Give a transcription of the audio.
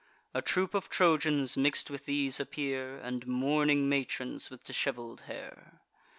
A troop of Trojans mix'd with these appear, And mourning matrons with dishevel'd hair.